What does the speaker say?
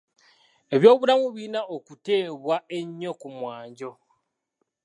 Ebyobulamu birina okuteeebwa ennyo ku kumwanjo.